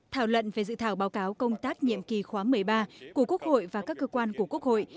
thảo luận về dự thảo báo cáo công tác nhiệm kỳ khóa một mươi ba của quốc hội và các cơ quan của quốc hội